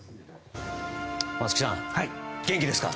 松木さん元気ですか！